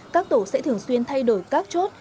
các tổ sẽ thường xuyên thay đổi các chốt